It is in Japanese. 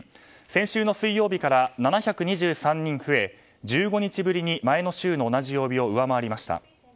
先週の水曜日から７２３人増え１５日ぶりに前の週の同じ曜日を上回りました。